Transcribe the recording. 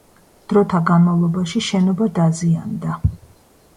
დროთა განმავლობაში შენობა დაზიანდა.